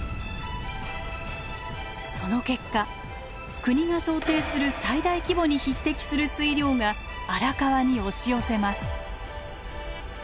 その結果国が想定する最大規模に匹敵する水量が荒川に押し寄せます。